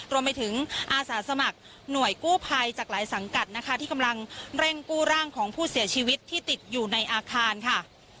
รวมไปถึงอาสาสมัครหน่วยกู้ภัยจากหลายสังกัดนะคะที่กำลังเร่งกู้ร่างของผู้เสียชีวิตที่ติดอยู่ในอาคารค่ะ